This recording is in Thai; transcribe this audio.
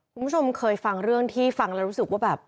คุณผู้ชมเคยฟังเรื่องที่ฟังแล้วรู้สึกว่าแบบ